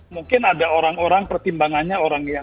mungkin ada orang orang pertimbangannya orang yang